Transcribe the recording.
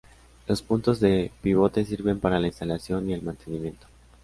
Los puntos de pivote sirven para la instalación y el mantenimiento.